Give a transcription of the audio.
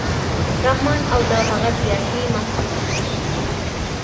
رحمان او د هغه سیاسي متحدینو